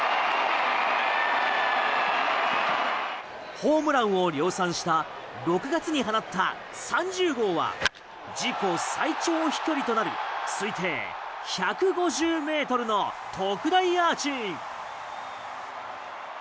ホームランを量産した６月に放った３０号は自己最長飛距離となり推定１５０ｍの特大アーチ。